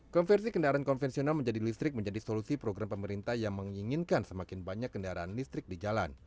konversi kendaraan konvensional menjadi listrik menjadi solusi program pemerintah yang menginginkan semakin banyak kendaraan listrik di jalan